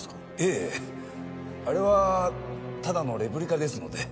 ええあれはただのレプリカですので